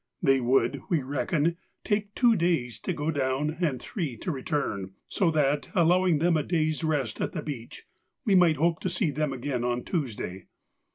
They would, we reckoned, take two days to go down and three to return, so that, allowing them a day's rest at the beach, we might hope to see them again on Tuesday.